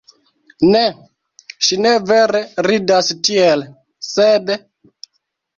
Ne, ŝi ne vere ridas tiel, sed...